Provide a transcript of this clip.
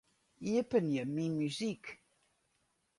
Iepenje Myn muzyk.